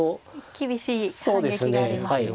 厳しい反撃がありますね。